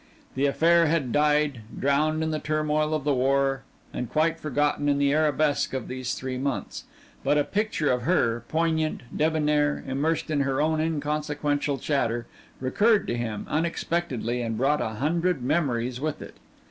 The affair had died, drowned in the turmoil of the war and quite forgotten in the arabesque of these three months, but a picture of her, poignant, debonnaire, immersed in her own inconsequential chatter, recurred to him unexpectedly and brought a hundred memories with it.